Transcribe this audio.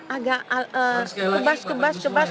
agak kebas kebas kebas